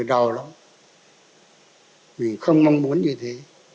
thì đau lắm mình không mong muốn như thế